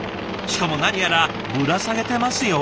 しかも何やらぶら下げてますよ。